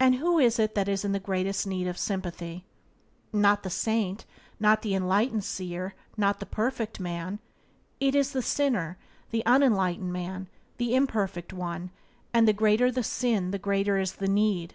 And who is it that is in the greatest need of sympathy? Not the saint, not the enlightened seer, not the perfect man. It is the sinner, the unenlightened man, the imperfect one; and the greater the sin the greater is the need.